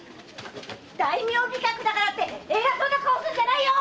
大名飛脚だからってえらそうな顔すんじゃないよっ！